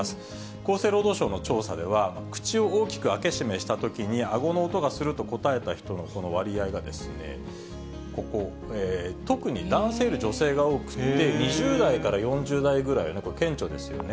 厚生労働省の調査では、口を大きく開け閉めしたときに、あごの音がすると答えた人の割合が、ここ、特に男性より女性が多くて、２０代から４０代ぐらいが顕著ですよね。